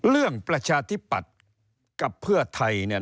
เรื่องประชาธิบัติกับเพื่อไทยเนี่ย